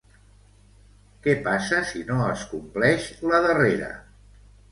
Què passa si no es compleix la darrera?